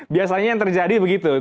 biasanya yang terjadi begitu